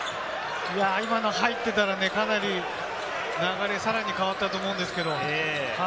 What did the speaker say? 今の入ってたらね、かなり流れ、さらに変わったと思うんですけれども。